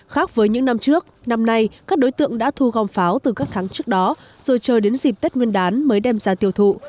khác với những năm trước năm nay các đối tượng đã thu gom pháo từ các tháng trước đó rồi chờ đến dịp tết nguyên đán mới đem ra tiêu thụ